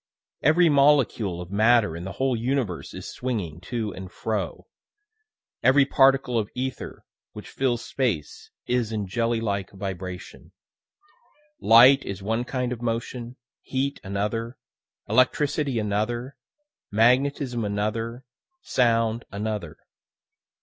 Every molecule of matter in the whole universe is swinging to and fro; every particle of ether which fills space is in jelly like vibration. Light is one kind of motion, heat another, electricity another, magnetism another, sound another.